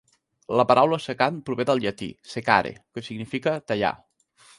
La paraula "secant" prové del llatí "secare", que significa "tallar".